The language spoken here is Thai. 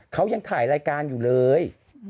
เขายังถ่ายรายการอยู่เลย